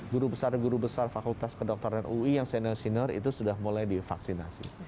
guru besar guru besar fakultas kedokteran ui yang senior senior itu sudah mulai divaksinasi